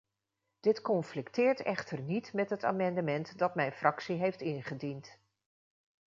Dit conflicteert echter niet met het amendement dat mijn fractie heeft ingediend.